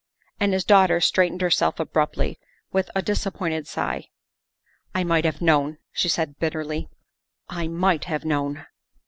And his daughter straightened herself abruptly with a disappointed sigh. " I might have known," she said bitterly, " I might have known."